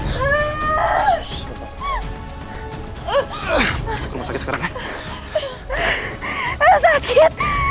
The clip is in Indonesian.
sini sini dari gue gendong ya